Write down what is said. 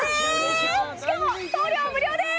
しかも送料無料です！